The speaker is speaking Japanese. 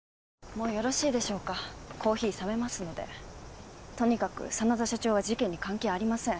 もうよろしいでしょうかコーヒー冷めますのでとにかく真田社長は事件に関係ありません